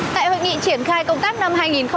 tại hội nghị triển khai công tác năm hai nghìn hai mươi